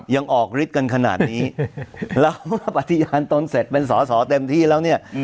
ยังออกฤทธิ์กันขนาดนี้แล้วเมื่อปฏิญาณตนเสร็จเป็นสอสอเต็มที่แล้วเนี่ย